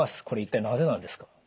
これ一体なぜなんですか？